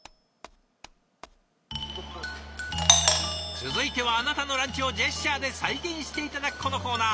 続いてはあなたのランチをジェスチャーで再現して頂くこのコーナー。